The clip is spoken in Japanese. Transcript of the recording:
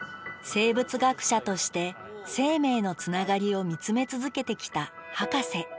生物学者として生命のつながりを見つめ続けてきたハカセ。